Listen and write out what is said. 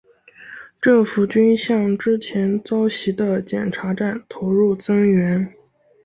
政府军向之前遭袭的检查站投入增援。